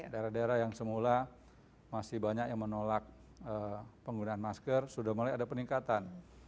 daerah daerah yang semula masih banyak yang menolak penggunaan masker sudah mulai ada peningkatan